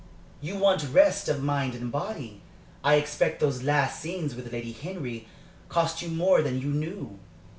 You want rest of mind and body. I expect those last scenes with Lady Henry cost you more than you knew.